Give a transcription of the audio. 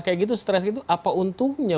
kayak gitu stres gitu apa untungnya